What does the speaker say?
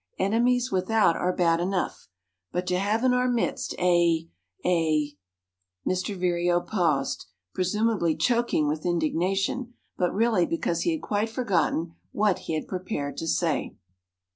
Enemies without are bad enough, but to have in our very midst a a " Mr. Vireo paused, presumably choking with indignation, but really because he had quite forgotten what he had prepared to say.